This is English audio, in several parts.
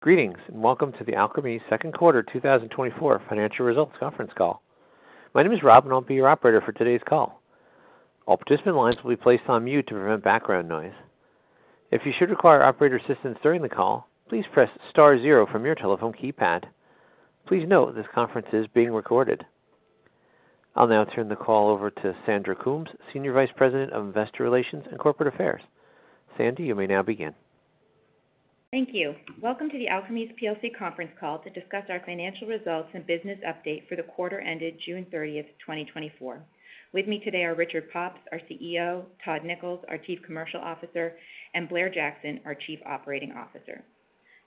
Greetings, and welcome to the Alkermes Second Quarter 2024 Financial Results Conference Call. My name is Rob, and I'll be your operator for today's call. All participant lines will be placed on mute to prevent background noise. If you should require operator assistance during the call, please press star zero from your telephone keypad. Please note, this conference is being recorded. I'll now turn the call over to Sandra Coombs, Senior Vice President of Investor Relations and Corporate Affairs. Sandy, you may now begin. Thank you. Welcome to the Alkermes plc conference call to discuss our financial results and business update for the quarter ended June 30, 2024. With me today are Richard Pops, our CEO, Todd Nichols, our Chief Commercial Officer, and Blair Jackson, our Chief Operating Officer.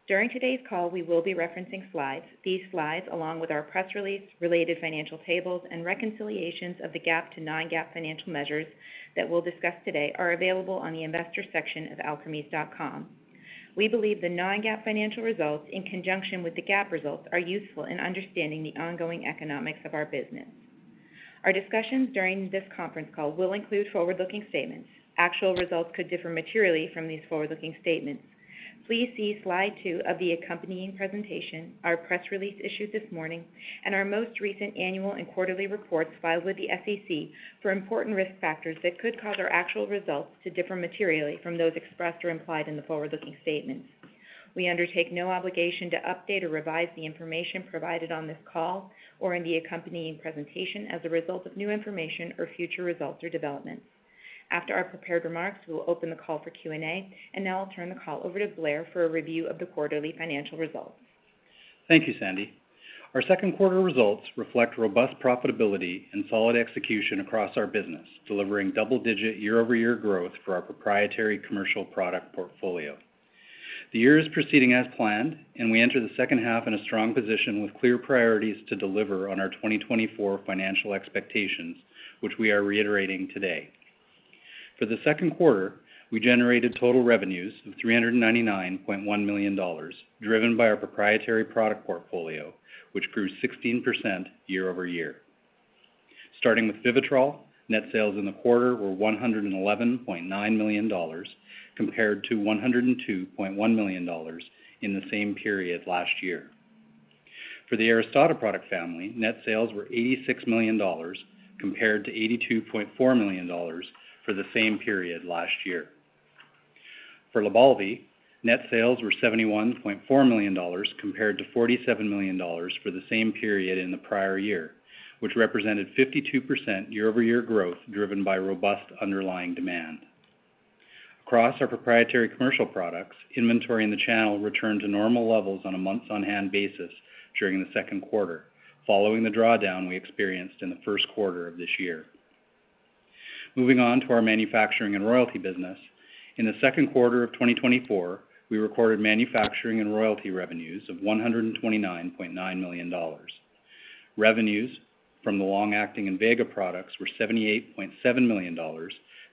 During today's call, we will be referencing slides. These slides, along with our press release, related financial tables, and reconciliations of the GAAP to non-GAAP financial measures that we'll discuss today, are available on the Investors section of alkermes.com. We believe the non-GAAP financial results, in conjunction with the GAAP results, are useful in understanding the ongoing economics of our business. Our discussions during this conference call will include forward-looking statements. Actual results could differ materially from these forward-looking statements. Please see slide 2 of the accompanying presentation, our press release issued this morning, and our most recent annual and quarterly reports filed with the SEC for important risk factors that could cause our actual results to differ materially from those expressed or implied in the forward-looking statements. We undertake no obligation to update or revise the information provided on this call or in the accompanying presentation as a result of new information or future results or developments. After our prepared remarks, we will open the call for Q&A, and now I'll turn the call over to Blair for a review of the quarterly financial results. Thank you, Sandy. Our second quarter results reflect robust profitability and solid execution across our business, delivering double-digit year-over-year growth for our proprietary commercial product portfolio. The year is proceeding as planned, and we enter the second half in a strong position with clear priorities to deliver on our 2024 financial expectations, which we are reiterating today. For the second quarter, we generated total revenues of $399.1 million, driven by our proprietary product portfolio, which grew 16% year-over-year. Starting with Vivitrol, net sales in the quarter were $111.9 million, compared to $102.1 million in the same period last year. For the Aristada product family, net sales were $86 million, compared to $82.4 million for the same period last year. For Lybalvi, net sales were $71.4 million, compared to $47 million for the same period in the prior year, which represented 52% year-over-year growth, driven by robust underlying demand. Across our proprietary commercial products, inventory in the channel returned to normal levels on a months-on-hand basis during the second quarter, following the drawdown we experienced in the first quarter of this year. Moving on to our manufacturing and royalty business. In the second quarter of 2024, we recorded manufacturing and royalty revenues of $129.9 million. Revenues from the long-acting Invega products were $78.7 million,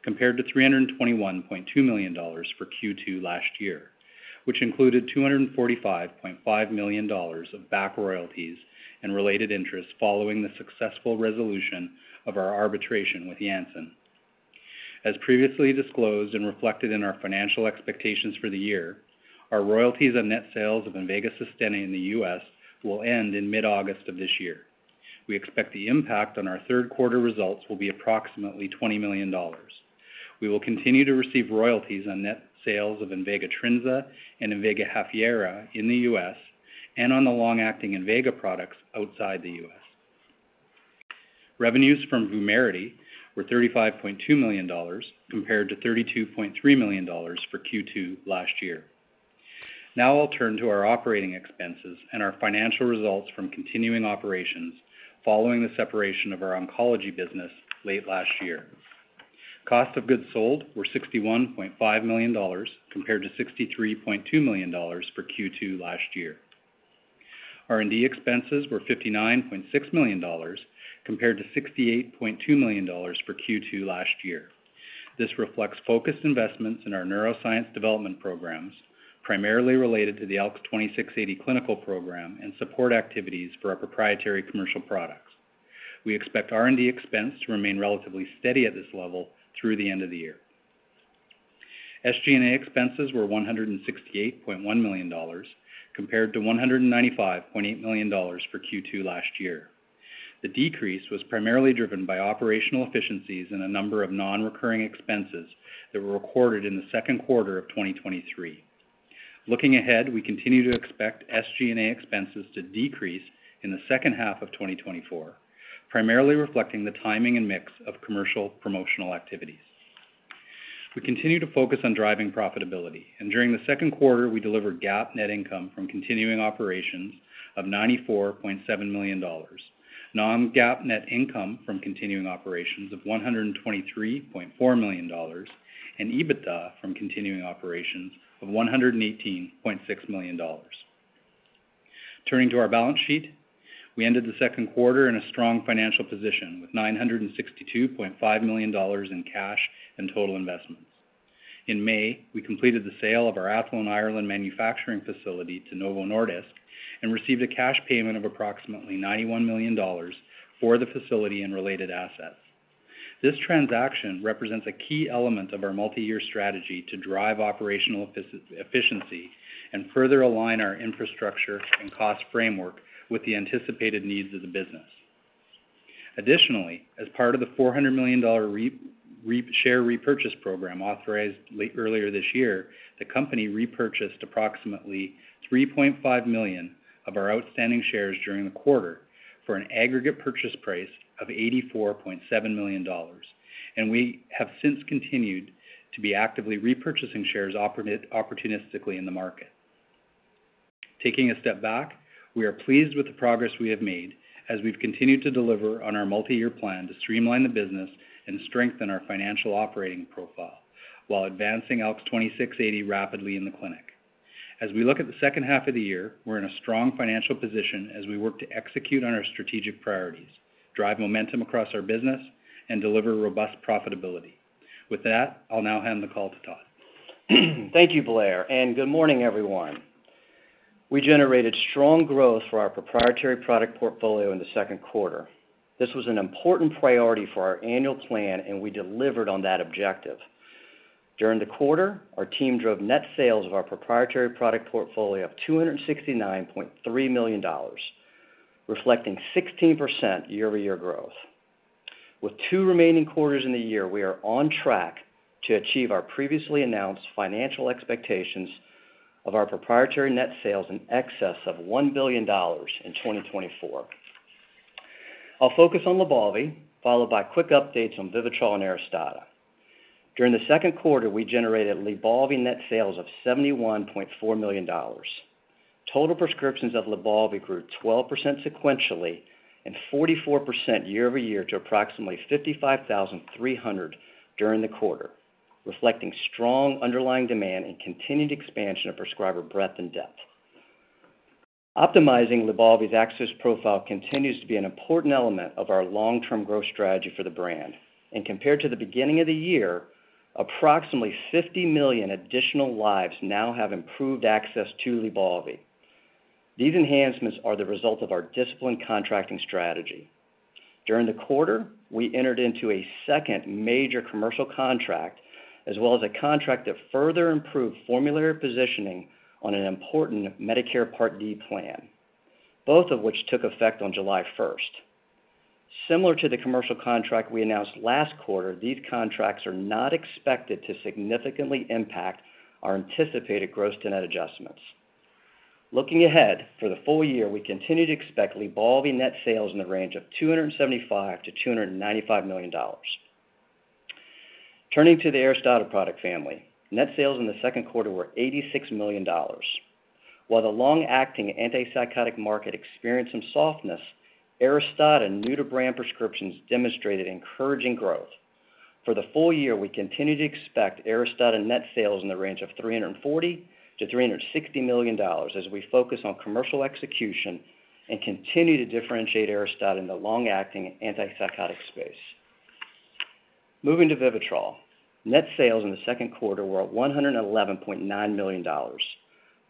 compared to $321.2 million for Q2 last year, which included $245.5 million of back royalties and related interests following the successful resolution of our arbitration with Janssen. As previously disclosed and reflected in our financial expectations for the year, our royalties on net sales of Invega Sustenna in the U.S. will end in mid-August of this year. We expect the impact on our third quarter results will be approximately $20 million. We will continue to receive royalties on net sales of Invega Trinza and Invega Hafyera in the U.S. and on the long-acting Invega products outside the U.S. Revenues from Vumerity were $35.2 million, compared to $32.3 million for Q2 last year. Now I'll turn to our operating expenses and our financial results from continuing operations following the separation of our oncology business late last year. Cost of goods sold were $61.5 million, compared to $63.2 million for Q2 last year. R&D expenses were $59.6 million, compared to $68.2 million for Q2 last year. This reflects focused investments in our neuroscience development programs, primarily related to the ALKS 2680 clinical program and support activities for our proprietary commercial products. We expect R&D expense to remain relatively steady at this level through the end of the year. SG&A expenses were $168.1 million, compared to $195.8 million for Q2 last year. The decrease was primarily driven by operational efficiencies and a number of non-recurring expenses that were recorded in the second quarter of 2023. Looking ahead, we continue to expect SG&A expenses to decrease in the second half of 2024, primarily reflecting the timing and mix of commercial promotional activities. We continue to focus on driving profitability, and during the second quarter, we delivered GAAP net income from continuing operations of $94.7 million, non-GAAP net income from continuing operations of $123.4 million, and EBITDA from continuing operations of $118.6 million. Turning to our balance sheet, we ended the second quarter in a strong financial position, with $962.5 million in cash and total investments. In May, we completed the sale of our Athlone, Ireland, manufacturing facility to Novo Nordisk and received a cash payment of approximately $91 million for the facility and related assets.... This transaction represents a key element of our multiyear strategy to drive operational efficiency and further align our infrastructure and cost framework with the anticipated needs of the business. Additionally, as part of the $400 million share repurchase program authorized late earlier this year, the company repurchased approximately 3.5 million of our outstanding shares during the quarter for an aggregate purchase price of $84.7 million. We have since continued to be actively repurchasing shares opportunistically in the market. Taking a step back, we are pleased with the progress we have made as we've continued to deliver on our multiyear plan to streamline the business and strengthen our financial operating profile, while advancing ALKS 2680 rapidly in the clinic. As we look at the second half of the year, we're in a strong financial position as we work to execute on our strategic priorities, drive momentum across our business, and deliver robust profitability. With that, I'll now hand the call to Todd. Thank you, Blair, and good morning, everyone. We generated strong growth for our proprietary product portfolio in the second quarter. This was an important priority for our annual plan, and we delivered on that objective. During the quarter, our team drove net sales of our proprietary product portfolio of $269.3 million, reflecting 16% year-over-year growth. With two remaining quarters in the year, we are on track to achieve our previously announced financial expectations of our proprietary net sales in excess of $1 billion in 2024. I'll focus on LYBALVI, followed by quick updates on VIVITROL and Aristada. During the second quarter, we generated LYBALVI net sales of $71.4 million. Total prescriptions of Lybalvi grew 12% sequentially and 44% year-over-year to approximately 55,300 during the quarter, reflecting strong underlying demand and continued expansion of prescriber breadth and depth. Optimizing Lybalvi's access profile continues to be an important element of our long-term growth strategy for the brand, and compared to the beginning of the year, approximately 50 million additional lives now have improved access to Lybalvi. These enhancements are the result of our disciplined contracting strategy. During the quarter, we entered into a second major commercial contract, as well as a contract that further improved formulary positioning on an important Medicare Part D plan, both of which took effect on July 1st. Similar to the commercial contract we announced last quarter, these contracts are not expected to significantly impact our anticipated gross-to-net adjustments. Looking ahead, for the full year, we continue to expect LYBALVI net sales in the range of $275 million-$295 million. Turning to the Aristada product family, net sales in the second quarter were $86 million. While the long-acting antipsychotic market experienced some softness, Aristada new-to-brand prescriptions demonstrated encouraging growth. For the full year, we continue to expect Aristada net sales in the range of $340 million-$360 million as we focus on commercial execution and continue to differentiate Aristada in the long-acting antipsychotic space. Moving to Vivitrol: net sales in the second quarter were $111.9 million,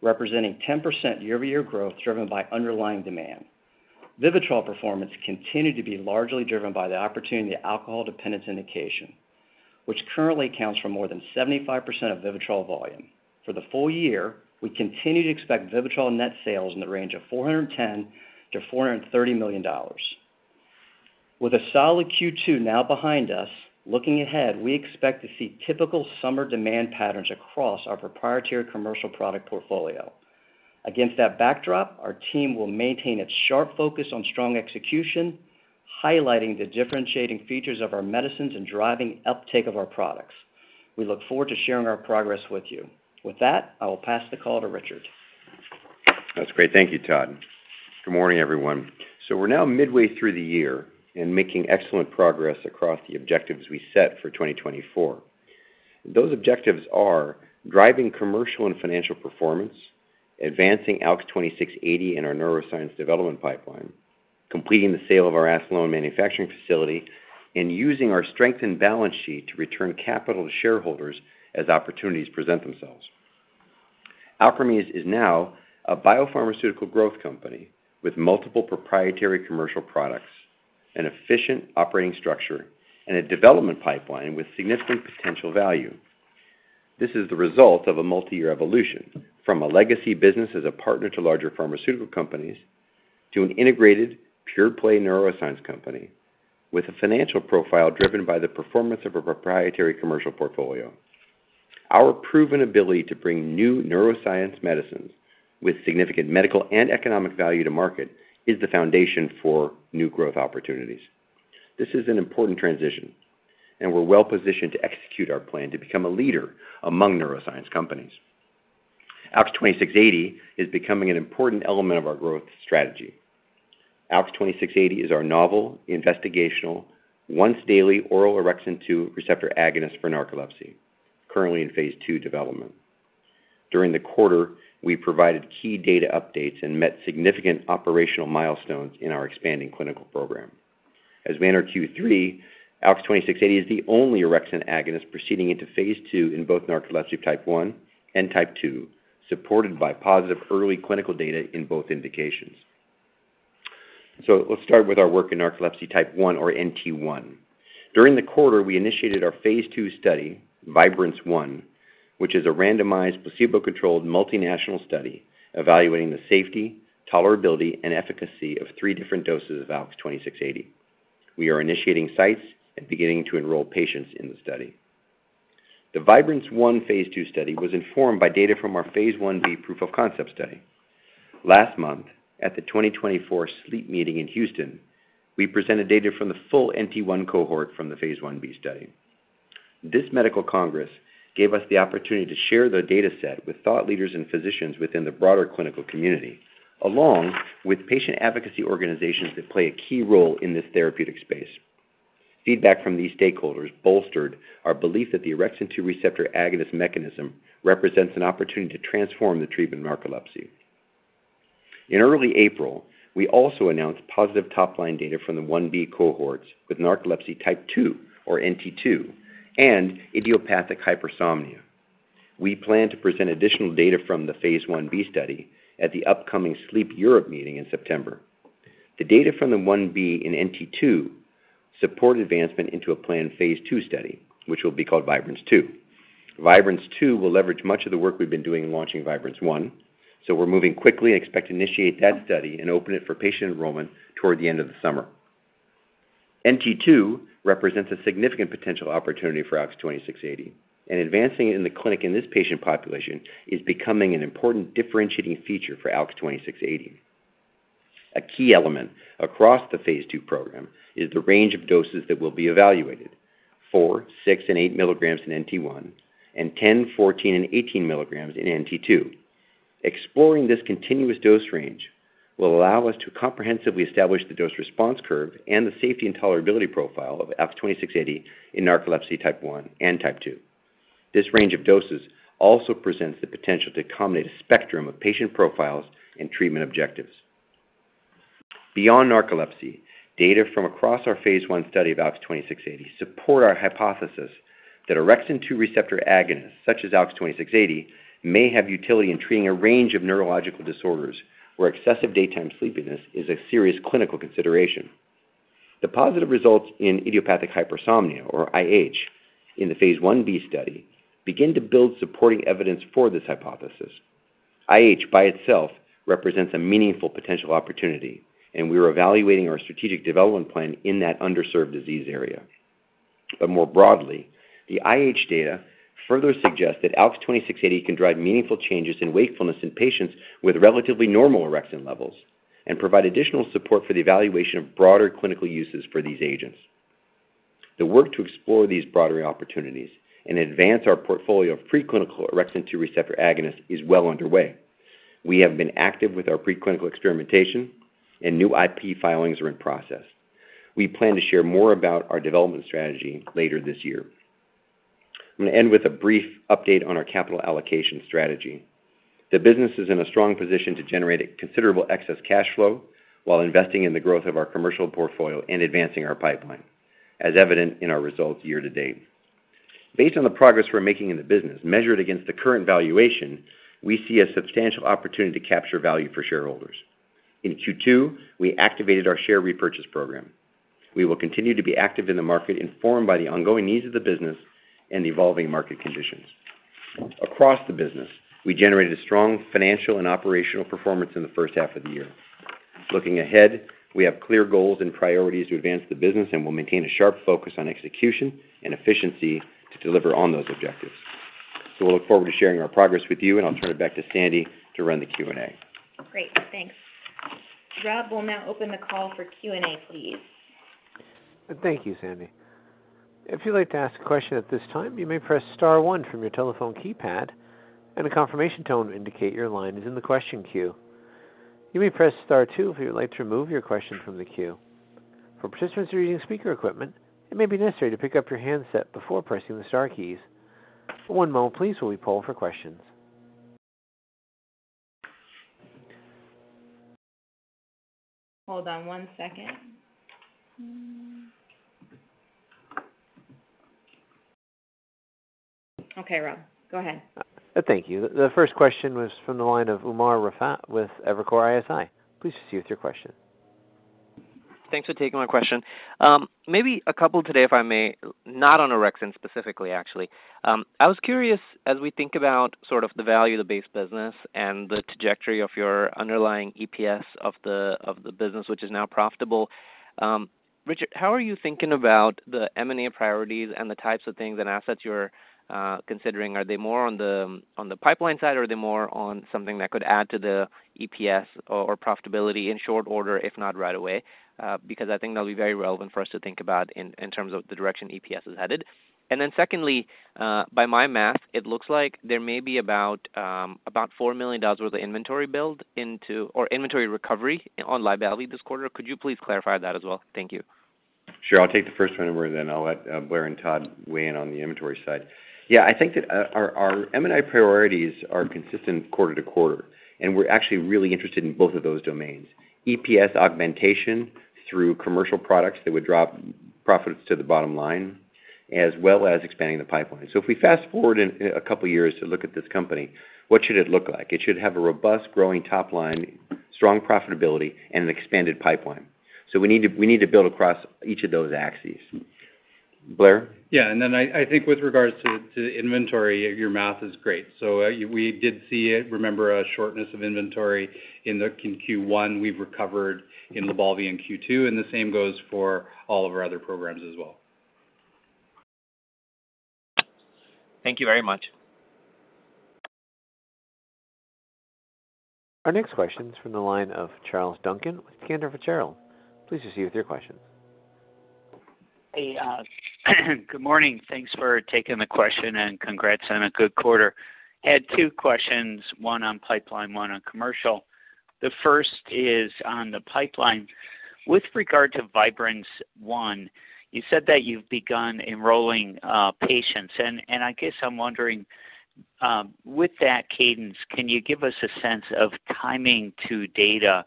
representing 10% year-over-year growth, driven by underlying demand. Vivitrol performance continued to be largely driven by the opportunity of alcohol dependence indication, which currently accounts for more than 75% of Vivitrol volume. For the full year, we continue to expect Vivitrol net sales in the range of $410 million-$430 million. With a solid Q2 now behind us, looking ahead, we expect to see typical summer demand patterns across our proprietary commercial product portfolio. Against that backdrop, our team will maintain its sharp focus on strong execution, highlighting the differentiating features of our medicines and driving uptake of our products. We look forward to sharing our progress with you. With that, I will pass the call to Richard. That's great. Thank you, Todd. Good morning, everyone. So we're now midway through the year and making excellent progress across the objectives we set for 2024. Those objectives are driving commercial and financial performance, advancing ALKS 2680 in our neuroscience development pipeline, completing the sale of our Athlone manufacturing facility, and using our strengthened balance sheet to return capital to shareholders as opportunities present themselves. Alkermes is now a biopharmaceutical growth company with multiple proprietary commercial products, an efficient operating structure, and a development pipeline with significant potential value. This is the result of a multiyear evolution from a legacy business as a partner to larger pharmaceutical companies, to an integrated, pure-play neuroscience company with a financial profile driven by the performance of a proprietary commercial portfolio. Our proven ability to bring new neuroscience medicines with significant medical and economic value to market is the foundation for new growth opportunities. This is an important transition, and we're well-positioned to execute our plan to become a leader among neuroscience companies. ALKS 2680 is becoming an important element of our growth strategy. ALKS 2680 is our novel, investigational, once-daily oral orexin-2 receptor agonist for narcolepsy, currently in phase 2 development. During the quarter, we provided key data updates and met significant operational milestones in our expanding clinical program. As we enter Q3, ALKS 2680 is the only orexin agonist proceeding into phase 2 in both narcolepsy Type 1 and Type 2, supported by positive early clinical data in both indications.... So let's start with our work in narcolepsy type 1, or NT1. During the quarter, we initiated our phase 2 study, Vibrance-1, which is a randomized, placebo-controlled, multinational study evaluating the safety, tolerability, and efficacy of three different doses of ALKS 2680. We are initiating sites and beginning to enroll patients in the study. The Vibrance-1 phase 2 study was informed by data from our phase 1b proof of concept study. Last month, at the 2024 sleep meeting in Houston, we presented data from the full NT1 cohort from the phase 1b study. This medical congress gave us the opportunity to share the data set with thought leaders and physicians within the broader clinical community, along with patient advocacy organizations that play a key role in this therapeutic space. Feedback from these stakeholders bolstered our belief that the orexin-2 receptor agonist mechanism represents an opportunity to transform the treatment of narcolepsy. In early April, we also announced positive top-line data from the 1b cohorts with narcolepsy type 2, or NT2, and idiopathic hypersomnia. We plan to present additional data from the phase 1b study at the upcoming Sleep Europe meeting in September. The data from the 1b in NT2 support advancement into a planned phase 2 study, which will be called Vibrance-2. Vibrance-2 will leverage much of the work we've been doing in launching Vibrance-1, so we're moving quickly and expect to initiate that study and open it for patient enrollment toward the end of the summer. NT2 represents a significant potential opportunity for ALKS 2680, and advancing it in the clinic in this patient population is becoming an important differentiating feature for ALKS 2680. A key element across the phase 2 program is the range of doses that will be evaluated, 4, 6, and 8 milligrams in NT1, and 10, 14, and 18 milligrams in NT2. Exploring this continuous dose range will allow us to comprehensively establish the dose response curve and the safety and tolerability profile of ALKS 2680 in narcolepsy type 1 and type 2. This range of doses also presents the potential to accommodate a spectrum of patient profiles and treatment objectives. Beyond narcolepsy, data from across our phase 1 study of ALKS 2680 support our hypothesis that orexin-2 receptor agonists, such as ALKS 2680, may have utility in treating a range of neurological disorders, where excessive daytime sleepiness is a serious clinical consideration. The positive results in idiopathic hypersomnia, or IH, in the phase 1b study begin to build supporting evidence for this hypothesis. IH, by itself, represents a meaningful potential opportunity, and we are evaluating our strategic development plan in that underserved disease area. But more broadly, the IH data further suggests that ALKS 2680 can drive meaningful changes in wakefulness in patients with relatively normal orexin levels and provide additional support for the evaluation of broader clinical uses for these agents. The work to explore these broader opportunities and advance our portfolio of preclinical orexin-2 receptor agonist is well underway. We have been active with our preclinical experimentation, and new IP filings are in process. We plan to share more about our development strategy later this year. I'm going to end with a brief update on our capital allocation strategy. The business is in a strong position to generate a considerable excess cash flow while investing in the growth of our commercial portfolio and advancing our pipeline, as evident in our results year to date. Based on the progress we're making in the business, measured against the current valuation, we see a substantial opportunity to capture value for shareholders. In Q2, we activated our share repurchase program. We will continue to be active in the market, informed by the ongoing needs of the business and the evolving market conditions. Across the business, we generated a strong financial and operational performance in the first half of the year. Looking ahead, we have clear goals and priorities to advance the business, and we'll maintain a sharp focus on execution and efficiency to deliver on those objectives. We'll look forward to sharing our progress with you, and I'll turn it back to Sandy to run the Q&A. Great. Thanks. Rob, we'll now open the call for Q&A, please. Thank you, Sandy. If you'd like to ask a question at this time, you may press star one from your telephone keypad, and a confirmation tone will indicate your line is in the question queue. You may press star two if you would like to remove your question from the queue. For participants who are using speaker equipment, it may be necessary to pick up your handset before pressing the star keys. One moment, please, while we poll for questions. Hold on one second. Okay, Rob, go ahead. Thank you. The first question was from the line of Umar Rafat with Evercore ISI. Please proceed with your question. Thanks for taking my question. Maybe a couple today, if I may, not on orexin specifically, actually. I was curious, as we think about sort of the value of the base business and the trajectory of your underlying EPS of the, of the business, which is now profitable, Richard, how are you thinking about the M&A priorities and the types of things and assets you're considering? Are they more on the, on the pipeline side, or are they more on something that could add to the EPS or, or profitability in short order, if not right away? Because I think that'll be very relevant for us to think about in, in terms of the direction EPS is headed. And then secondly, by my math, it looks like there may be about about $4 million worth of inventory build into or inventory recovery on Lybalvi this quarter. Could you please clarify that as well? Thank you. Sure. I'll take the first one, Umar, then I'll let Blair and Todd weigh in on the inventory side. Yeah, I think that our M&A priorities are consistent quarter to quarter, and we're actually really interested in both of those domains. EPS augmentation through commercial products that would drop profits to the bottom line, as well as expanding the pipeline. So if we fast-forward in a couple of years to look at this company, what should it look like? It should have a robust growing top line, strong profitability, and an expanded pipeline. So we need to build across each of those axes. Blair? Yeah, and then I think with regards to inventory, your math is great. So, we did see it, remember, a shortness of inventory in Q1. We've recovered in Lybalvi in Q2, and the same goes for all of our other programs as well. Thank you very much. Our next question is from the line of Charles Duncan with Cantor Fitzgerald. Please proceed with your question. Hey, good morning. Thanks for taking the question, and congrats on a good quarter. Had two questions, one on pipeline, one on commercial. The first is on the pipeline. With regard to Vibrance-1, you said that you've begun enrolling patients, and I guess I'm wondering, with that cadence, can you give us a sense of timing to data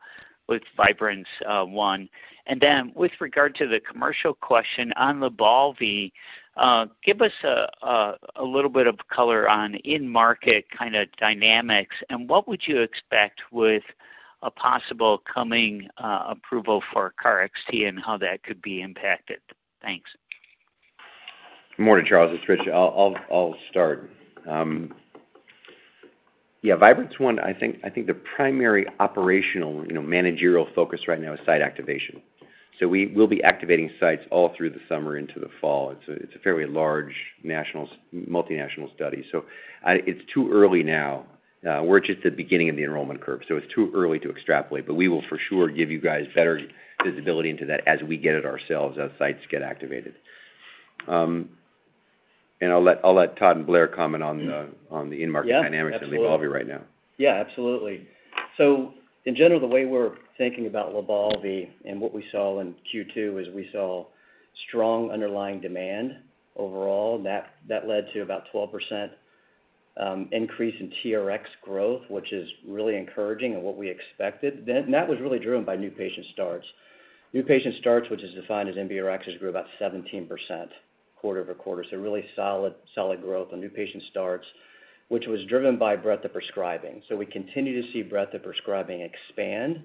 with Vibrance-1? And then with regard to the commercial question on LYBALVI, give us a little bit of color on in-market kind of dynamics, and what would you expect with a possible coming approval for KarXT and how that could be impacted? Thanks. Good morning, Charles. It's Rich. I'll start. Yeah, Vibrance-1, I think the primary operational, you know, managerial focus right now is site activation. So we will be activating sites all through the summer into the fall. It's a fairly large national-multinational study, so it's too early now. We're just at the beginning of the enrollment curve, so it's too early to extrapolate, but we will for sure give you guys better visibility into that as we get it ourselves, as sites get activated. And I'll let Todd and Blair comment on the in-market- Yeah. dynamics of Lybalvi right now. Yeah, absolutely. So in general, the way we're thinking about Lybalvi and what we saw in Q2 is we saw strong underlying demand overall. That led to about 12% increase in TRX growth, which is really encouraging and what we expected. And that was really driven by new patient starts. New patient starts, which is defined as NBRX, has grew about 17% quarter-over-quarter. So really solid growth on new patient starts, which was driven by breadth of prescribing. So we continue to see breadth of prescribing expand.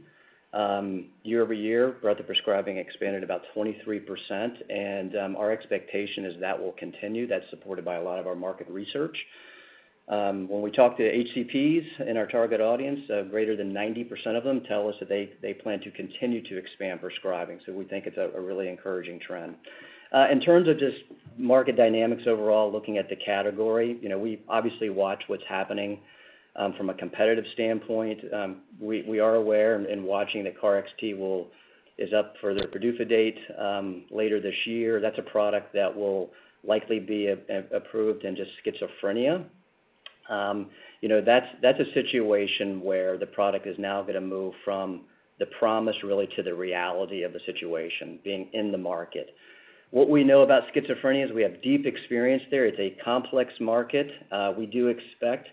Year-over-year, breadth of prescribing expanded about 23%, and our expectation is that will continue. That's supported by a lot of our market research. When we talk to HCPs in our target audience, greater than 90% of them tell us that they plan to continue to expand prescribing. So we think it's a really encouraging trend. In terms of just market dynamics overall, looking at the category, you know, we obviously watch what's happening from a competitive standpoint. We are aware and watching that KarXT is up for their PDUFA date later this year. That's a product that will likely be approved in just schizophrenia. You know, that's a situation where the product is now going to move from the promise, really, to the reality of the situation, being in the market. What we know about schizophrenia is we have deep experience there. It's a complex market. We do expect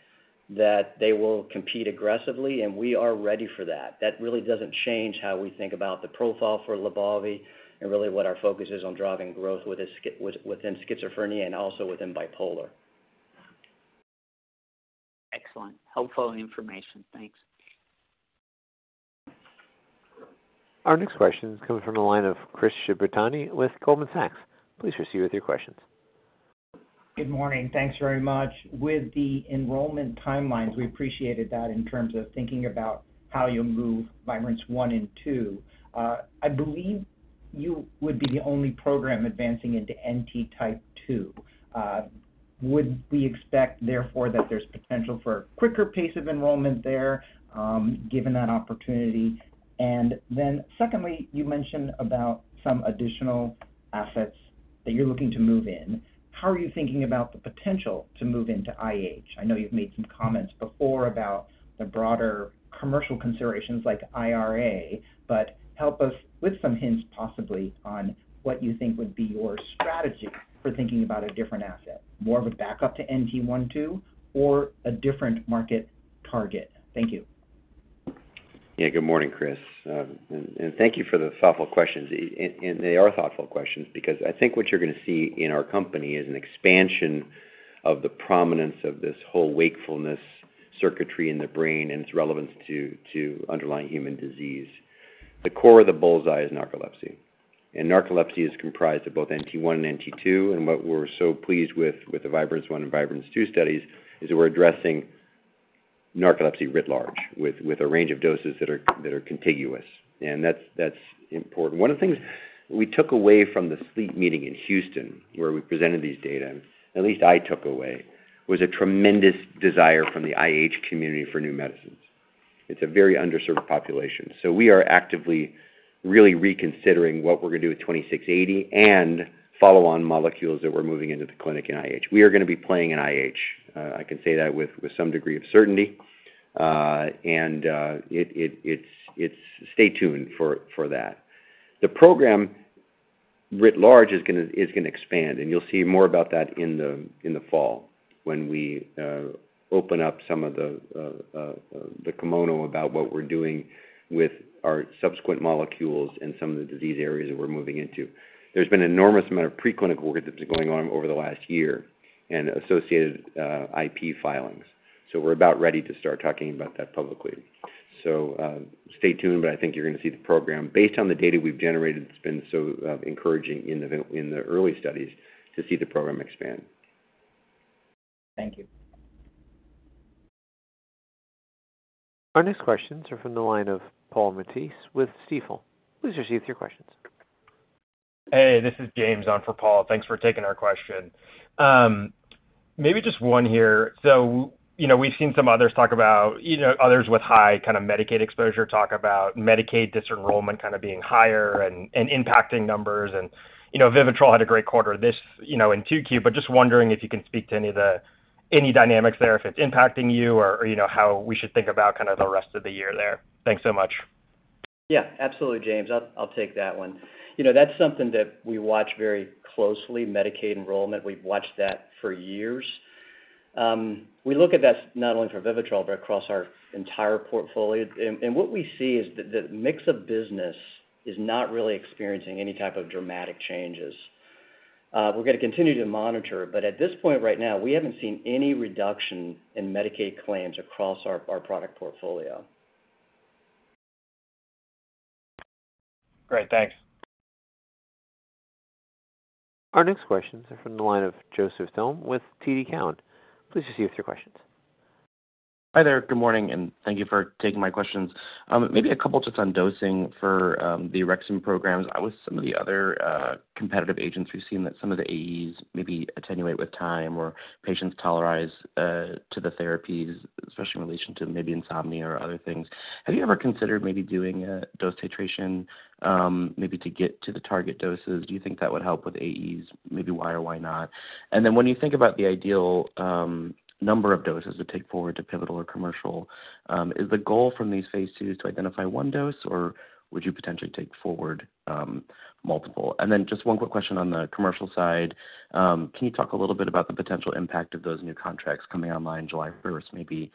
that they will compete aggressively, and we are ready for that. That really doesn't change how we think about the profile for LYBALVI and really what our focus is on driving growth with, within schizophrenia and also within bipolar. Excellent. Helpful information. Thanks. Our next question comes from the line of Chris Shibutani with Goldman Sachs. Please proceed with your questions. Good morning. Thanks very much. With the enrollment timelines, we appreciated that in terms of thinking about how you'll move Vibrance-1 and Vibrance-2. I believe you would be the only program advancing into NT type 2. Would we expect, therefore, that there's potential for quicker pace of enrollment there, given that opportunity? And then secondly, you mentioned about some additional assets that you're looking to move in. How are you thinking about the potential to move into IH? I know you've made some comments before about the broader commercial considerations like IRA, but help us with some hints, possibly, on what you think would be your strategy for thinking about a different asset, more of a backup to NT12 or a different market target. Thank you. Yeah. Good morning, Chris, and thank you for the thoughtful questions. They are thoughtful questions because I think what you're going to see in our company is an expansion of the prominence of this whole wakefulness circuitry in the brain and its relevance to underlying human disease. The core of the bullseye is narcolepsy, and narcolepsy is comprised of both NT1 and NT2, and what we're so pleased with, the Vibrance-1 and Vibrance-2 studies, is that we're addressing narcolepsy writ large, with a range of doses that are contiguous, and that's important. One of the things we took away from the sleep meeting in Houston, where we presented these data, at least I took away, was a tremendous desire from the IH community for new medicines. It's a very underserved population, so we are actively really reconsidering what we're going to do with 2680 and follow-on molecules that we're moving into the clinic in IH. We are going to be playing in IH. I can say that with some degree of certainty, and it's... Stay tuned for that. The program, writ large, is gonna expand, and you'll see more about that in the fall... when we open up some of the kimono about what we're doing with our subsequent molecules and some of the disease areas that we're moving into. There's been an enormous amount of preclinical work that's been going on over the last year and associated IP filings. So we're about ready to start talking about that publicly. So, stay tuned, but I think you're gonna see the program. Based on the data we've generated, it's been so encouraging in the early studies to see the program expand. Thank you. Our next questions are from the line of Paul Matteis with Stifel. Please proceed with your questions. Hey, this is James on for Paul. Thanks for taking our question. Maybe just one here. So, you know, we've seen some others talk about, you know, others with high kind of Medicaid exposure, talk about Medicaid disenrollment kind of being higher and, and impacting numbers. And, you know, Vivitrol had a great quarter this, you know, in 2Q, but just wondering if you can speak to any of the, any dynamics there, if it's impacting you or, or, you know, how we should think about kind of the rest of the year there. Thanks so much. Yeah, absolutely, James. I'll take that one. You know, that's something that we watch very closely, Medicaid enrollment. We've watched that for years. We look at that not only for Vivitrol, but across our entire portfolio. And what we see is that the mix of business is not really experiencing any type of dramatic changes. We're gonna continue to monitor, but at this point, right now, we haven't seen any reduction in Medicaid claims across our product portfolio. Great. Thanks. Our next questions are from the line of Joseph Thome with TD Cowen. Please proceed with your questions. Hi there. Good morning, and thank you for taking my questions. Maybe a couple just on dosing for the Rexulti programs. With some of the other competitive agents, we've seen that some of the AEs maybe attenuate with time or patients tolerize to the therapies, especially in relation to maybe insomnia or other things. Have you ever considered maybe doing a dose titration, maybe to get to the target doses? Do you think that would help with AEs? Maybe why or why not? And then when you think about the ideal number of doses to take forward to pivotal or commercial, is the goal from these phase II to identify one dose, or would you potentially take forward multiple? And then just one quick question on the commercial side. Can you talk a little bit about the potential impact of those new contracts coming online July 1st? Maybe,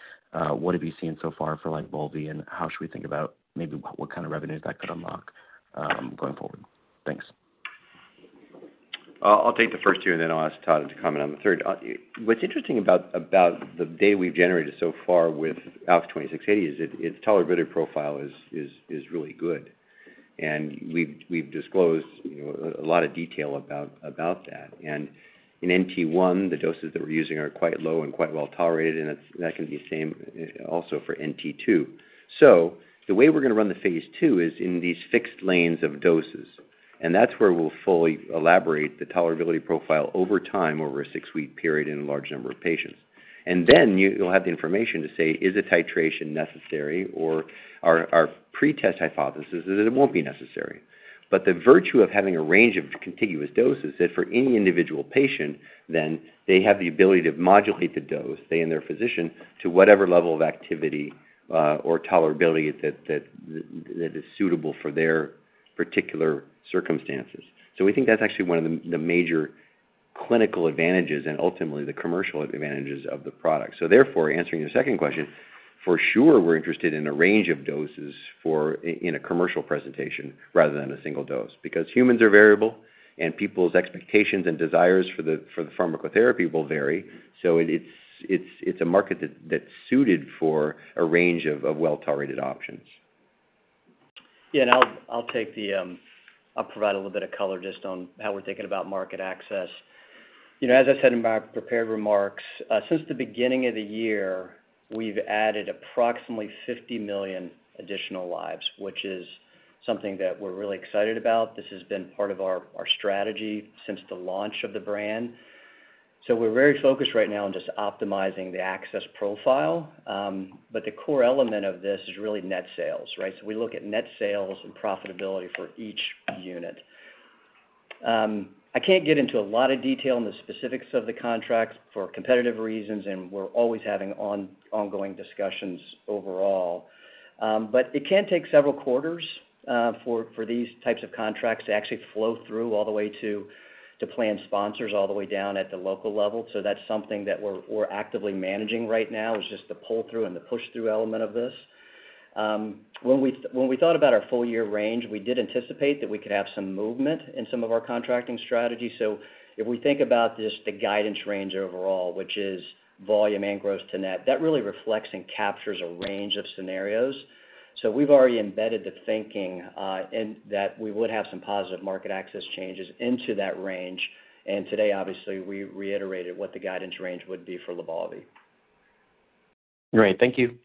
what have you seen so far for, like, Lybalvi, and how should we think about maybe what kind of revenues that could unlock, going forward? Thanks. I'll take the first two, and then I'll ask Todd to comment on the third. What's interesting about the data we've generated so far with ALKS 2680 is its tolerability profile is really good, and we've disclosed, you know, a lot of detail about that. And in NT1, the doses that we're using are quite low and quite well tolerated, and that's the same, also for NT2. So the way we're gonna run the phase II is in these fixed lanes of doses, and that's where we'll fully elaborate the tolerability profile over time, over a six-week period in a large number of patients. And then you'll have the information to say, is a titration necessary or are pretest hypothesis that it won't be necessary. But the virtue of having a range of contiguous doses is that for any individual patient, then they have the ability to modulate the dose, they and their physician, to whatever level of activity or tolerability that is suitable for their particular circumstances. So we think that's actually one of the major clinical advantages and ultimately the commercial advantages of the product. So therefore, answering your second question, for sure, we're interested in a range of doses for in a commercial presentation rather than a single dose, because humans are variable and people's expectations and desires for the pharmacotherapy will vary. So it's a market that's suited for a range of well-tolerated options. Yeah, and I'll provide a little bit of color just on how we're thinking about market access. You know, as I said in my prepared remarks, since the beginning of the year, we've added approximately 50 million additional lives, which is something that we're really excited about. This has been part of our strategy since the launch of the brand. So we're very focused right now on just optimizing the access profile. But the core element of this is really net sales, right? So we look at net sales and profitability for each unit. I can't get into a lot of detail on the specifics of the contracts for competitive reasons, and we're always having ongoing discussions overall. But it can take several quarters for these types of contracts to actually flow through all the way to plan sponsors, all the way down at the local level. So that's something that we're actively managing right now, is just the pull-through and the push-through element of this. When we thought about our full-year range, we did anticipate that we could have some movement in some of our contracting strategies. So if we think about just the guidance range overall, which is volume and gross to net, that really reflects and captures a range of scenarios. So we've already embedded the thinking and that we would have some positive market access changes into that range. And today, obviously, we reiterated what the guidance range would be for LYBALVI. Great. Thank you.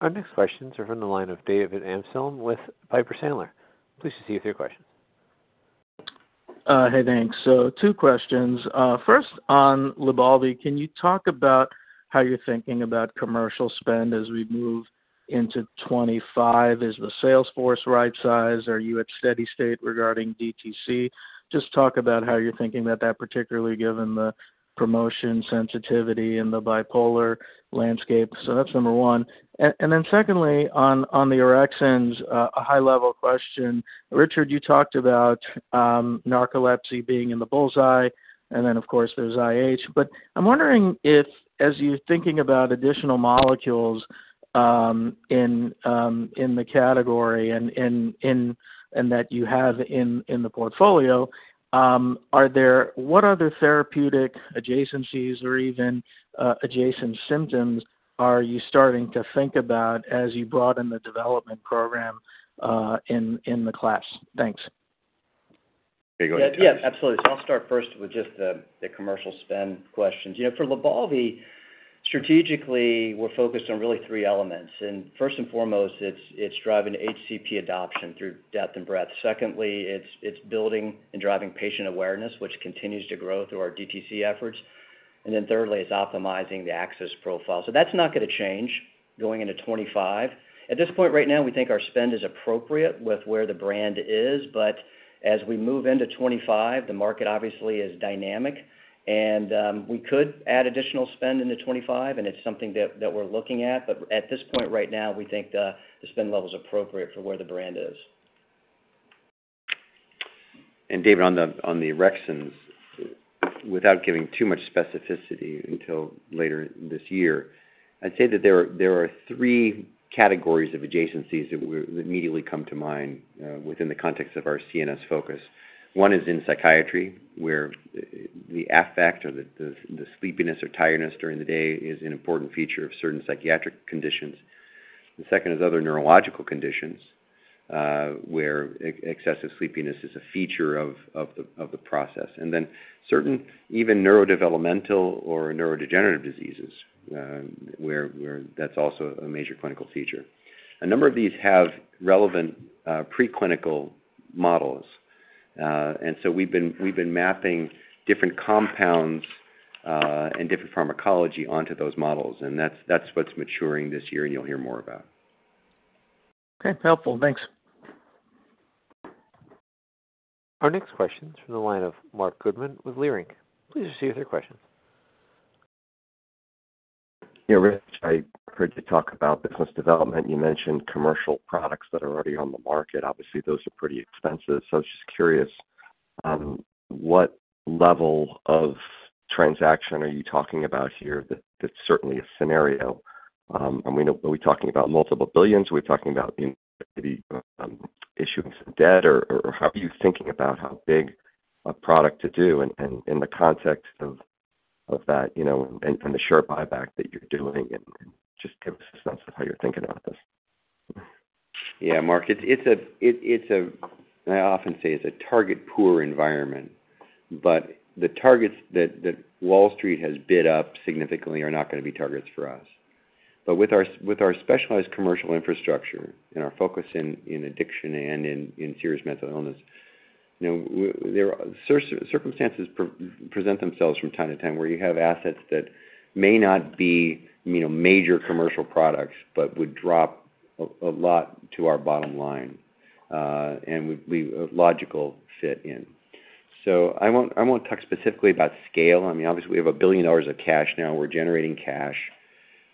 Our next questions are from the line of David Amsellem with Piper Sandler. Please proceed with your questions.... Hey, thanks. So two questions. First, on Lybalvi, can you talk about how you're thinking about commercial spend as we move into 2025? Is the sales force right size? Are you at steady state regarding DTC? Just talk about how you're thinking about that, particularly given the promotion sensitivity in the bipolar landscape. So that's number one. And then secondly, on the orexins, a high-level question. Richard, you talked about narcolepsy being in the bull's eye, and then, of course, there's IH. But I'm wondering if, as you're thinking about additional molecules in the category and that you have in the portfolio, are there—what other therapeutic adjacencies or even adjacent symptoms are you starting to think about as you broaden the development program in the class? Thanks. Yeah, yeah, absolutely. So I'll start first with just the, the commercial spend questions. You know, for Lybalvi, strategically, we're focused on really three elements. And first and foremost, it's, it's driving HCP adoption through depth and breadth. Secondly, it's, it's building and driving patient awareness, which continues to grow through our DTC efforts. And then thirdly, it's optimizing the access profile. So that's not gonna change going into 2025. At this point, right now, we think our spend is appropriate with where the brand is, but as we move into 2025, the market obviously is dynamic and, we could add additional spend into 2025, and it's something that, that we're looking at. But at this point, right now, we think the, the spend level is appropriate for where the brand is. And David, on the orexins, without giving too much specificity until later in this year, I'd say that there are three categories of adjacencies that would immediately come to mind, within the context of our CNS focus. One is in psychiatry, where the affect or the sleepiness or tiredness during the day is an important feature of certain psychiatric conditions. The second is other neurological conditions, where excessive sleepiness is a feature of the process, and then certain even neurodevelopmental or neurodegenerative diseases, where that's also a major clinical feature. A number of these have relevant preclinical models. And so we've been mapping different compounds and different pharmacology onto those models, and that's what's maturing this year, and you'll hear more about. Okay, helpful. Thanks. Our next question is from the line of Marc Goodman with Leerink. Please proceed with your question. Yeah, Rich, I heard you talk about business development. You mentioned commercial products that are already on the market. Obviously, those are pretty expensive. So I was just curious, what level of transaction are you talking about here? That, that's certainly a scenario. And we know... Are we talking about multiple billions? Are we talking about the issuing some debt, or how are you thinking about how big a product to do and in the context of that, you know, and the share buyback that you're doing, and just give us a sense of how you're thinking about this. Yeah, Mark, it's a... I often say it's a target-poor environment, but the targets that Wall Street has bid up significantly are not gonna be targets for us. But with our specialized commercial infrastructure and our focus in addiction and in serious mental illness, you know, where there are circumstances present themselves from time to time, where you have assets that may not be, you know, major commercial products, but would drop a lot to our bottom line, and would be a logical fit in. So I won't talk specifically about scale. I mean, obviously, we have $1 billion of cash now. We're generating cash.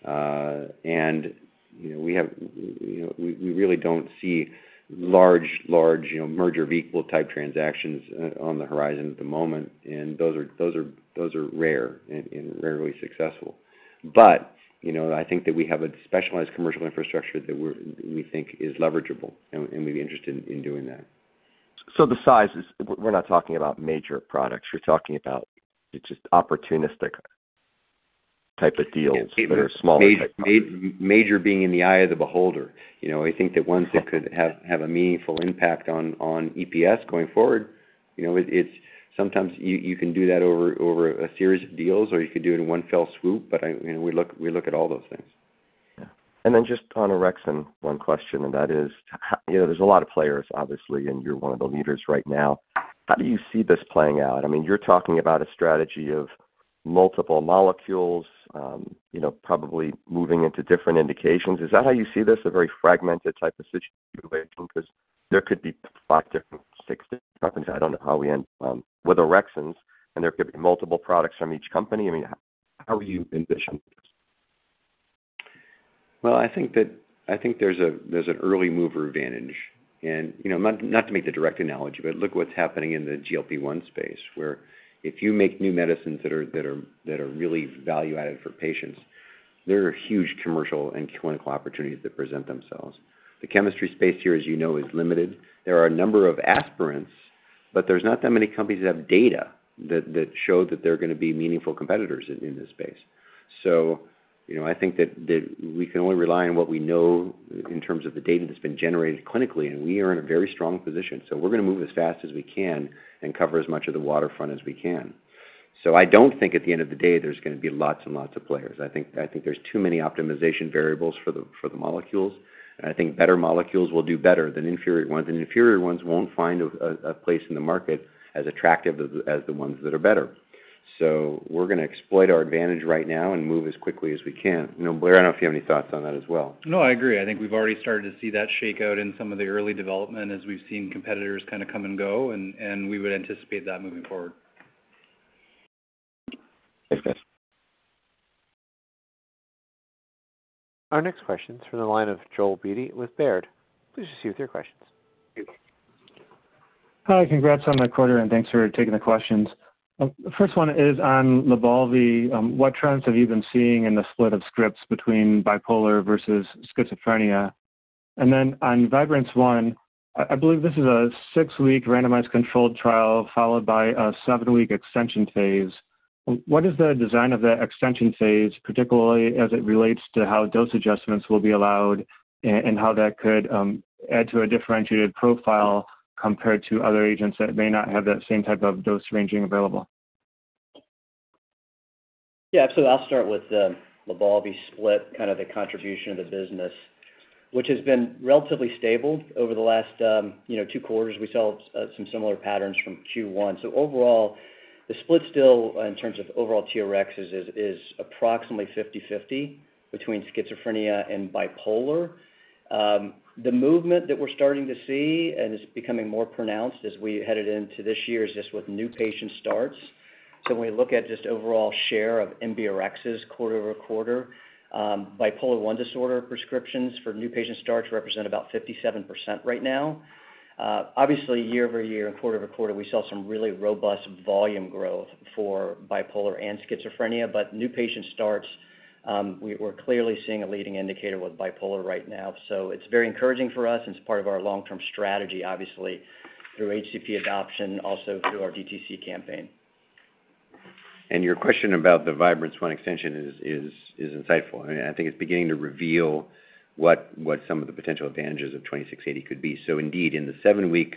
You know, we have, you know, we really don't see large merger of equal type transactions on the horizon at the moment, and those are rare and rarely successful. But, you know, I think that we have a specialized commercial infrastructure that we think is leverageable, and we'd be interested in doing that. So the size is... We're not talking about major products. We're talking about it's just opportunistic type of deals that are smaller type. Major being in the eye of the beholder. You know, I think that ones that could have a meaningful impact on EPS going forward, you know, it's sometimes you can do that over a series of deals, or you could do it in one fell swoop, but, you know, we look at all those things. Yeah. And then just on orexin, one question, and that is: you know, there's a lot of players, obviously, and you're one of the leaders right now. How do you see this playing out? I mean, you're talking about a strategy of multiple molecules, you know, probably moving into different indications. Is that how you see this, a very fragmented type of situation? Because there could be five different, six different companies. I don't know how we end with orexins, and there could be multiple products from each company. I mean, how are you envisioning this? Well, I think there's an early mover advantage. And, you know, not to make the direct analogy, but look what's happening in the GLP-1 space, where if you make new medicines that are really value-added for patients, there are huge commercial and clinical opportunities that present themselves. The chemistry space here, as you know, is limited. There are a number of aspirants, but there's not that many companies that have data that show that they're gonna be meaningful competitors in this space. So, you know, I think that we can only rely on what we know in terms of the data that's been generated clinically, and we are in a very strong position. So we're gonna move as fast as we can and cover as much of the waterfront as we can. So I don't think at the end of the day, there's going to be lots and lots of players. I think, I think there's too many optimization variables for the, for the molecules, and I think better molecules will do better than inferior ones, and inferior ones won't find a, a place in the market as attractive as, as the ones that are better. So we're going to exploit our advantage right now and move as quickly as we can. You know, Blair, I don't know if you have any thoughts on that as well. No, I agree. I think we've already started to see that shake out in some of the early development as we've seen competitors kind of come and go, and, and we would anticipate that moving forward. Thanks, guys. Our next question is from the line of Joel Beatty with Baird. Please proceed with your questions. Hi, congrats on the quarter, and thanks for taking the questions. The first one is on LYBALVI. What trends have you been seeing in the split of scripts between bipolar versus schizophrenia? And then on Vibrance-1, I believe this is a six-week randomized controlled trial, followed by a seven-week extension phase. What is the design of the extension phase, particularly as it relates to how dose adjustments will be allowed and how that could add to a differentiated profile compared to other agents that may not have that same type of dose ranging available? Yeah, so I'll start with the Lybalvi split, kind of the contribution of the business, which has been relatively stable over the last, you know, two quarters. We saw some similar patterns from Q1. So overall, the split still, in terms of overall TRXs, is, is approximately 50/50 between schizophrenia and bipolar. The movement that we're starting to see, and it's becoming more pronounced as we headed into this year, is just with new patient starts. So when we look at just overall share of NBRXs quarter-over-quarter, bipolar I disorder prescriptions for new patient starts represent about 57% right now. Obviously, year-over-year and quarter-over-quarter, we saw some really robust volume growth for bipolar and schizophrenia, but new patient starts, we're clearly seeing a leading indicator with bipolar right now. So it's very encouraging for us. It's part of our long-term strategy, obviously, through HCP adoption, also through our DTC campaign. Your question about the Vibrance-1 extension is insightful, and I think it's beginning to reveal what some of the potential advantages of 2680 could be. So indeed, in the 7-week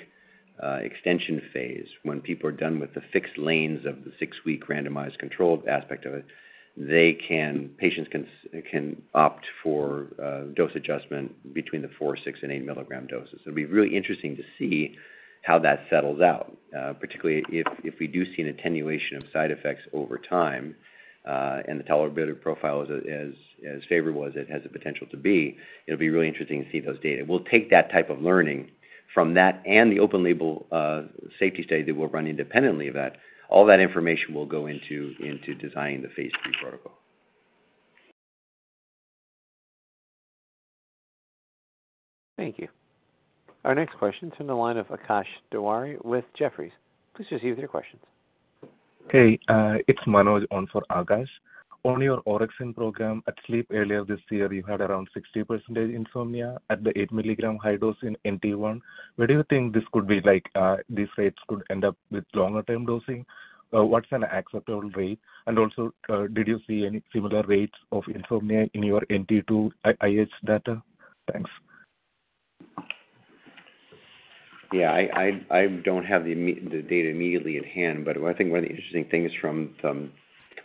extension phase, when people are done with the fixed lanes of the 6-week randomized controlled aspect of it, patients can opt for dose adjustment between the 4, 6, and 8 milligram doses. It'll be really interesting to see how that settles out, particularly if we do see an attenuation of side effects over time, and the tolerability profile is as favorable as it has the potential to be, it'll be really interesting to see those data. We'll take that type of learning from that and the open-label safety study that we'll run independently of that. All that information will go into designing the Phase II protocol. Thank you. Our next question is from the line of Akash Tewari with Jefferies. Please proceed with your questions. Hey, it's Manoj on for Akash. On your orexin program, at Sleep earlier this year, you had around 60% insomnia at the 8 mg high dose in NT1. Where do you think this could be like, these rates could end up with longer-term dosing? What's an acceptable rate? And also, did you see any similar rates of insomnia in your NT2, IH data? Thanks. Yeah, I don't have the data immediately at hand, but I think one of the interesting things from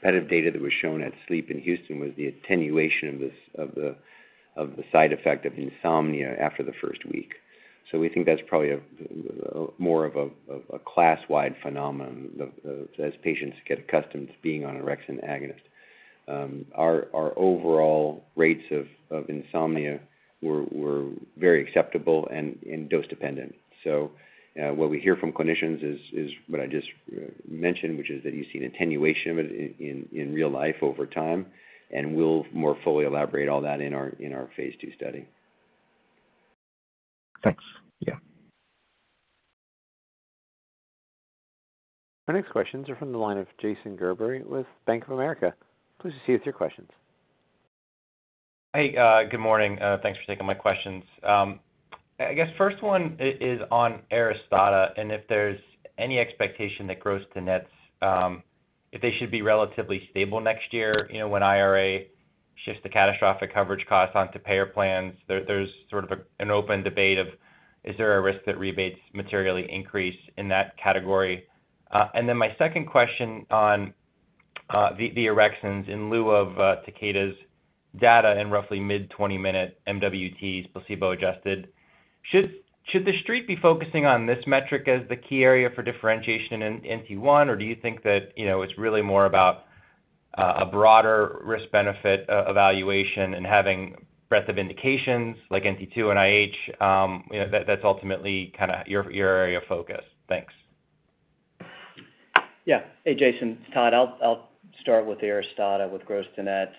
competitive data that was shown at Sleep in Houston was the attenuation of the side effect of insomnia after the first week. So we think that's probably more of a class-wide phenomenon as patients get accustomed to being on orexin agonist. Our overall rates of insomnia were very acceptable and dose dependent. So what we hear from clinicians is what I just mentioned, which is that you see an attenuation of it in real life over time, and we'll more fully elaborate all that in our phase II study. Thanks. Yeah. Our next questions are from the line of Jason Gerberry with Bank of America. Please proceed with your questions. Hey, good morning. Thanks for taking my questions. I guess first one is on Aristada, and if there's any expectation that gross to nets, if they should be relatively stable next year, you know, when IRA shifts the catastrophic coverage costs onto payer plans, there's sort of an open debate of, is there a risk that rebates materially increase in that category? And then my second question on, the orexins in lieu of, Takeda's data in roughly mid-20-minute MWTs, placebo-adjusted. Should the Street be focusing on this metric as the key area for differentiation in NT1, or do you think that, you know, it's really more about, a broader risk-benefit evaluation and having breadth of indications like NT2 and IH, you know, that's ultimately kind of your area of focus? Thanks. Yeah. Hey, Jason, it's Todd. I'll start with Aristada, with gross to net.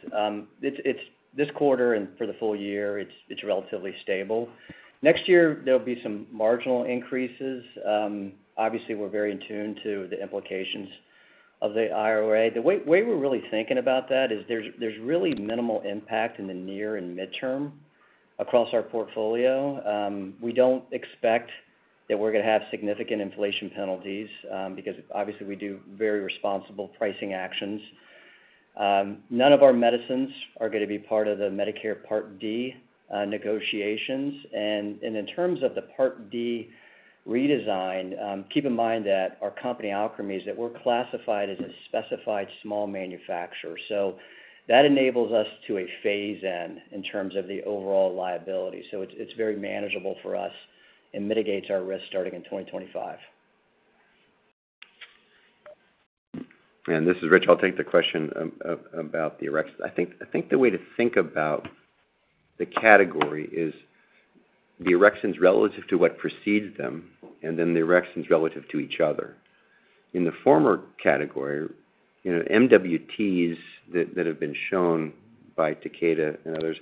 It's this quarter and for the full year, it's relatively stable. Next year, there'll be some marginal increases. Obviously, we're very in tune to the implications of the IRA. The way we're really thinking about that is there's really minimal impact in the near and midterm across our portfolio. We don't expect that we're going to have significant inflation penalties, because obviously, we do very responsible pricing actions. None of our medicines are going to be part of the Medicare Part D negotiations. And in terms of the Part D redesign, keep in mind that our company, Alkermes, that we're classified as a specified small manufacturer. So that enables us to phase in, in terms of the overall liability. So it's, it's very manageable for us and mitigates our risk starting in 2025. And this is Rich. I'll take the question about the orexin. I think the way to think about the category is the orexins relative to what precedes them, and then the orexins relative to each other. In the former category, you know, MWTs that have been shown by Takeda and others,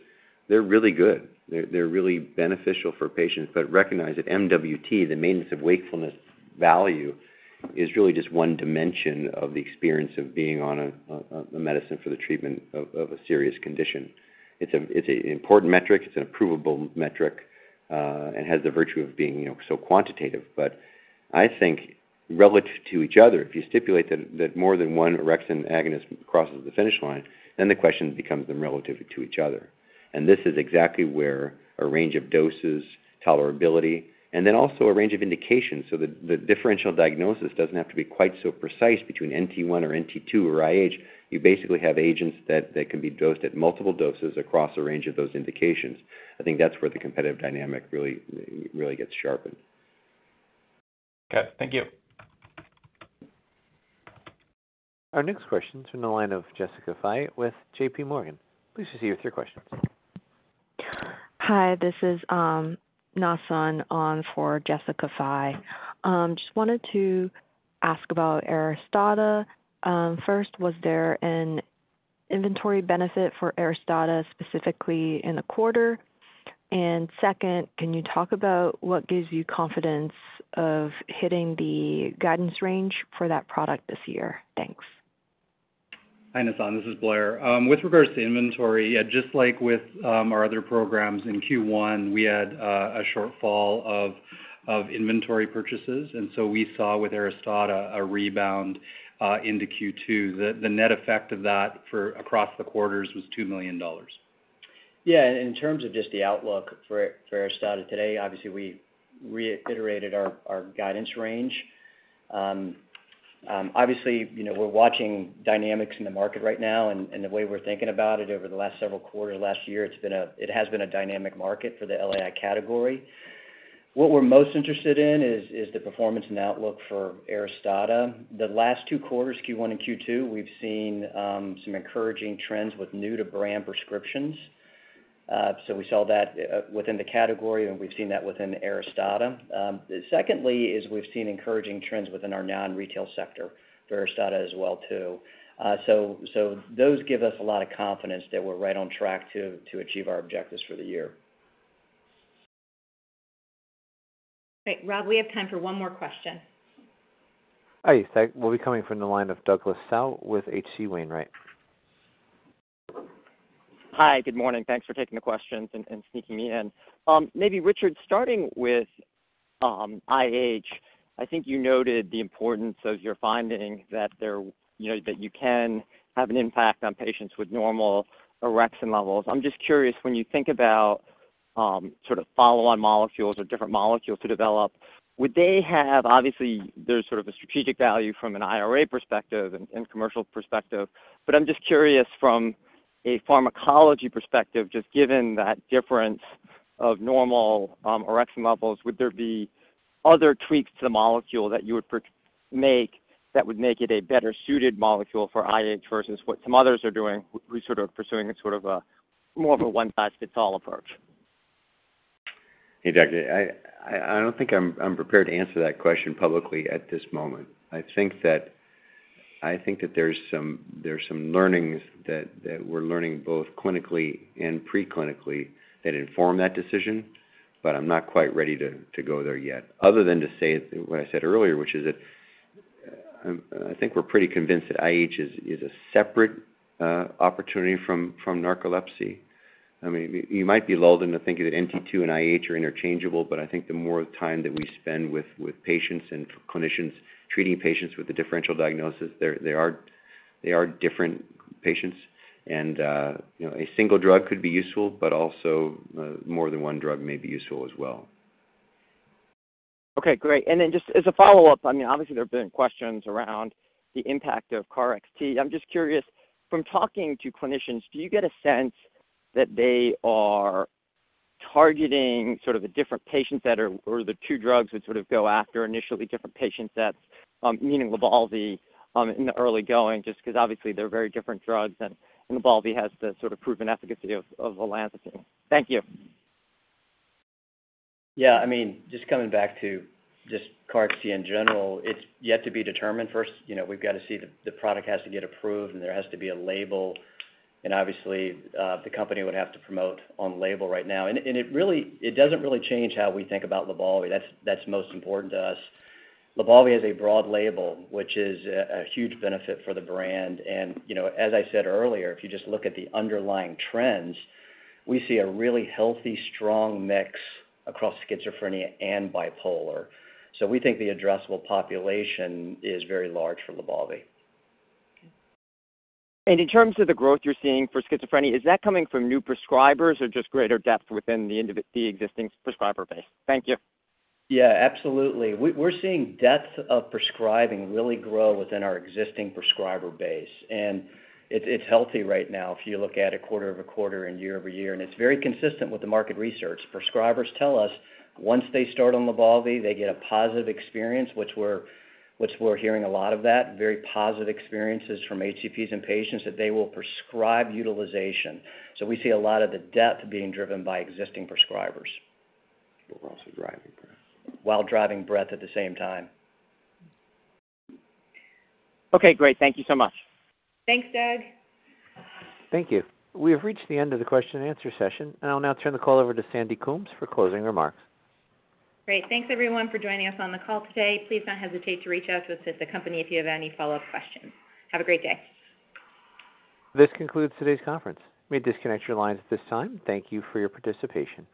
they're really good. They're really beneficial for patients, but recognize that MWT, the maintenance of wakefulness value, is really just one dimension of the experience of being on a medicine for the treatment of a serious condition. It's an important metric, it's an approvable metric, and has the virtue of being, you know, so quantitative. But I think relative to each other, if you stipulate that more than one orexin agonist crosses the finish line, then the question becomes them relative to each other. This is exactly where a range of doses, tolerability, and then also a range of indications, so the differential diagnosis doesn't have to be quite so precise between NT1 or NT2 or IH. You basically have agents that can be dosed at multiple doses across a range of those indications. I think that's where the competitive dynamic really, really gets sharpened. Okay, thank you. Our next question is from the line of Jessica Fye with J.P. Morgan. Please proceed with your question. Hi, this is Na Sun on for Jessica Fye. Just wanted to ask about Aristada. First, was there an inventory benefit for Aristada, specifically in the quarter? And second, can you talk about what gives you confidence of hitting the guidance range for that product this year? Thanks. Hi, Na Sun, this is Blair. With regards to inventory, yeah, just like with our other programs in Q1, we had a shortfall of inventory purchases, and so we saw with Aristada, a rebound into Q2. The net effect of that for across the quarters was $2 million. Yeah, in terms of just the outlook for Aristada today, obviously, we reiterated our guidance range. Obviously, you know, we're watching dynamics in the market right now, and the way we're thinking about it over the last several quarters, last year, it has been a dynamic market for the LAI category. What we're most interested in is the performance and outlook for Aristada. The last two quarters, Q1 and Q2, we've seen some encouraging trends with new-to-brand prescriptions. So we saw that within the category, and we've seen that within Aristada. Secondly, we've seen encouraging trends within our non-retail sector for Aristada as well, too. So those give us a lot of confidence that we're right on track to achieve our objectives for the year. Great. Rob, we have time for one more question. Hi, thanks. We'll be coming from the line of Douglas Tsao with H.C. Wainwright. Hi, good morning. Thanks for taking the questions and sneaking me in. Maybe, Richard, starting with IH, I think you noted the importance of your finding that there, you know, that you can have an impact on patients with normal orexin levels. I'm just curious, when you think about sort of follow-on molecules or different molecules to develop, would they have... Obviously, there's sort of a strategic value from an IRA perspective and commercial perspective, but I'm just curious from a pharmacology perspective, just given that difference of normal orexin levels, would there be other tweaks to the molecule that you would make, that would make it a better-suited molecule for IH versus what some others are doing, we sort of pursuing a sort of a more of a one-size-fits-all approach? Hey, Doug, I don't think I'm prepared to answer that question publicly at this moment. I think that there's some learnings that we're learning both clinically and pre-clinically that inform that decision, but I'm not quite ready to go there yet. Other than to say what I said earlier, which is that I think we're pretty convinced that IH is a separate opportunity from narcolepsy. I mean, you might be lulled into thinking that NT-two and IH are interchangeable, but I think the more time that we spend with patients and clinicians treating patients with a differential diagnosis, they are different patients. And you know, a single drug could be useful, but also more than one drug may be useful as well. Okay, great. And then just as a follow-up, I mean, obviously, there have been questions around the impact of KarXT. I'm just curious, from talking to clinicians, do you get a sense that they are targeting sort of the different patient set or, or the two drugs, which would sort of go after initially different patient sets, meaning Lybalvi, in the early going, just 'cause obviously they're very different drugs, and, and Lybalvi has the sort of proven efficacy of, of olanzapine. Thank you. Yeah, I mean, just coming back to just KarXT in general, it's yet to be determined. First, you know, we've got to see the product has to get approved and there has to be a label, and obviously, the company would have to promote on label right now. And it really, it doesn't really change how we think about Lybalvi. That's most important to us. Lybalvi has a broad label, which is a huge benefit for the brand. And, you know, as I said earlier, if you just look at the underlying trends, we see a really healthy, strong mix across schizophrenia and bipolar. So we think the addressable population is very large for Lybalvi. In terms of the growth you're seeing for schizophrenia, is that coming from new prescribers or just greater depth within the existing prescriber base? Thank you. Yeah, absolutely. We're seeing depth of prescribing really grow within our existing prescriber base, and it's healthy right now if you look at it quarter-over-quarter and year-over-year, and it's very consistent with the market research. Prescribers tell us once they start on LYBALVI, they get a positive experience, which we're hearing a lot of that, very positive experiences from HCPs and patients, that they will prescribe utilization. So we see a lot of the depth being driven by existing prescribers. We're also driving breadth. While driving breadth at the same time. Okay, great. Thank you so much. Thanks, Doug. Thank you. We have reached the end of the question and answer session, and I'll now turn the call over to Sandy Coombs for closing remarks. Great. Thanks, everyone, for joining us on the call today. Please don't hesitate to reach out to us at the company if you have any follow-up questions. Have a great day. This Vivitrol today's conference. You may disconnect your lines at this time. Thank you for your participation.